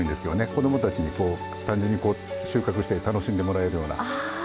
子どもたちに単純に収穫して楽しんでもらえるような。